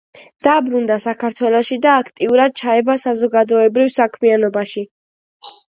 დაბრუნდა საქართველოში და აქტიურად ჩაება საზოგადოებრივ საქმიანობაში.